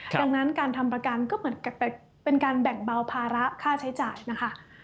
ดังนั้นการทำประกันก็เหมือนเป็นการแบ่งเบาภาระค่าใช้จ่ายนะคะ